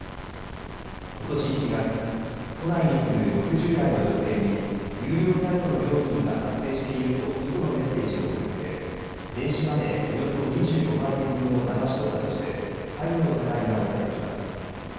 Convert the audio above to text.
ことし１月都内に住む６０代の女性に有料サイトの料金が発生しているとうそのメッセージを送って電子マネーおよそ２５万円分をだまし取ったとして詐欺の疑いが持たれています。